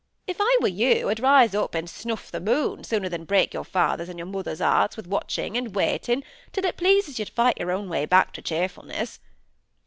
If I were you, I'd rise up and snuff the moon, sooner than break your father's and your mother's hearts wi' watching and waiting till it pleases you to fight your own way back to cheerfulness.